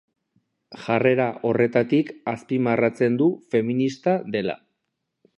Jarrera horretatik azpimarratzen du feminista dela.